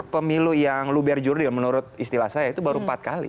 pemilu yang luber jurdil menurut istilah saya itu baru empat kali